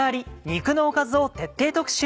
肉のおかず」を徹底特集。